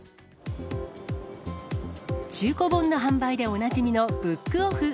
中古本の販売でおなじみのブックオフ。